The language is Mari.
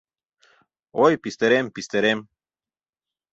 Ой, пистерем, пистерем